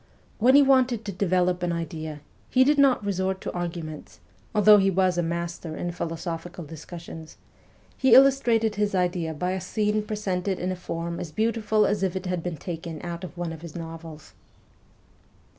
When he wanted to develop an idea, he did not resorb to arguments, although he was a master in philosophical discussions ; he illustrated his idea by a scene presented in a form as beautiful as if it had bsen taken out of one of his novels.